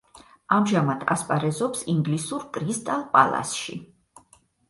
ამჟამად ასპარეზობს ინგლისურ „კრისტალ პალასში“.